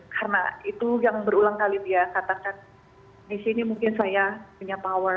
karena itu yang berulang kali dia katakan di sini mungkin saya punya power